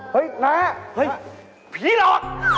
เฮ่ยหน้า